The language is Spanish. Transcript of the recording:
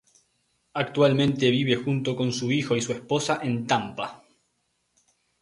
Actualmente vive junto con su hijo y su esposa en Tampa.